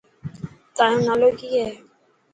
تايو نالو ڪي هي.